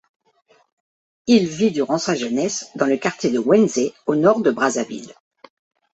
Il vit durant sa jeunesse dans le quartier de Ouenzé, au nord de Brazzaville.